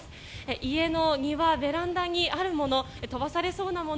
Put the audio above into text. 家の庭、ベランダにあるもの飛ばされそうなもの